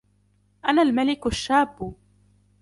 أَنَا الْمَلِكُ الشَّابُّ